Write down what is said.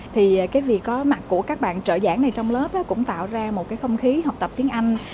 thì cái việc có mặt của các bạn trợ giảng này trong lớp đó cũng tạo ra một cái không khí học tập tiếng anh